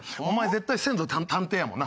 絶対先祖探偵やもんな。